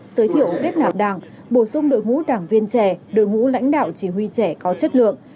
giới thiệu kết nạp đảng bổ sung đội ngũ đảng viên trẻ đội ngũ lãnh đạo chỉ huy trẻ có chất lượng